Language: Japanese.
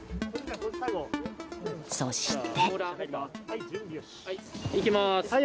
そして。